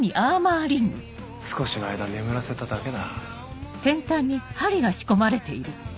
少しの間眠らせただけだ。